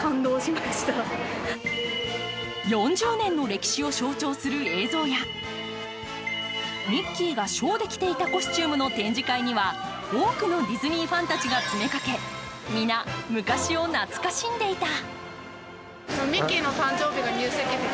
４０年の歴史を象徴する映像やミッキーがショーで着ていたコスチュームの展示会には多くのディズニーファンたちが詰めかけ、皆、昔を懐かしんでいた。